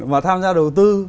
mà tham gia đầu tư